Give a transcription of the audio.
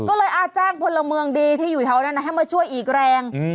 ก็เลยอาจแจ้งคนละเมืองดีที่อยู่เท่านั้นนะให้มาช่วยอีกแรง